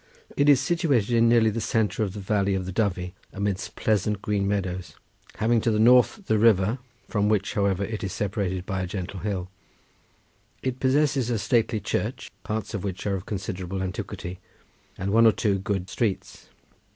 It is situated in nearly the centre of the valley of the Dyfi, amidst pleasant green meadows, having to the north the river, from which, however, it is separated by a gentle hill. It possesses a stately church, parts of which are of considerable antiquity, and one or two good streets.